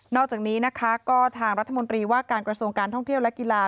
อกจากนี้นะคะก็ทางรัฐมนตรีว่าการกระทรวงการท่องเที่ยวและกีฬา